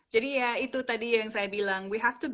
jadi ya itu tadi yang saya bilang